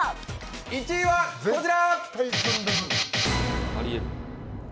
１位はこちら！